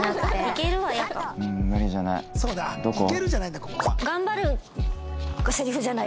「いける」じゃないんだここは。